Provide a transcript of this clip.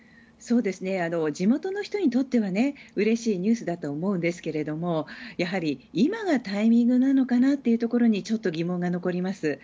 地元の人にとってはうれしいニュースだと思うんですけれどもやはり今はタイミングなのかなというところにちょっと疑問が残ります。